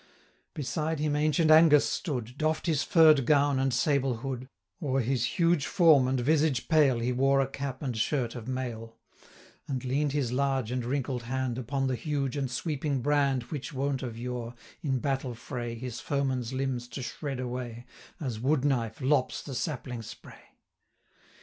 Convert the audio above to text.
335 Beside him ancient Angus stood, Doff'd his furr'd gown, and sable hood: O'er his huge form and visage pale, He wore a cap and shirt of mail; And lean'd his large and wrinkled hand 340 Upon the huge and sweeping brand Which wont of yore, in battle fray, His foeman's limbs to shred away, As wood knife lops the sapling spray.